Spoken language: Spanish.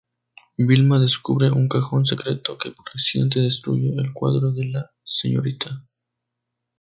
Vilma descubre un cajón secreto que por accidente destruye el cuadro de la Sra.